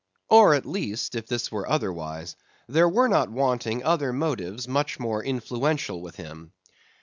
Or at least if this were otherwise, there were not wanting other motives much more influential with him.